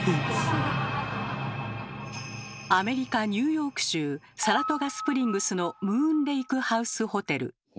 アメリカ・ニューヨーク州サラトガスプリングスの「ムーン・レイク・ハウスホテル」。